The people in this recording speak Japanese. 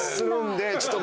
ちょっと。